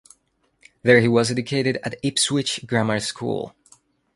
There he was educated at Ipswich Grammar School.